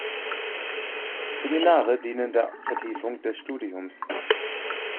Seminare dienen der Vertiefung des Studiums.